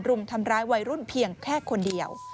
รุมทำร้ายวัยรุ่นเพียงแค่คนเดียว